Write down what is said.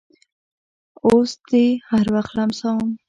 اوس دې هر وخت لمسوم